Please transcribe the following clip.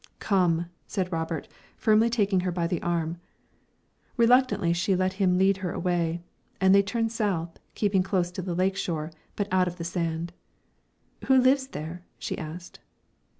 "Come," said Robert, firmly, taking her by the arm. Reluctantly she let him lead her away, and they turned south, keeping close to the lake shore, but out of the sand. "Who lives there?" she asked.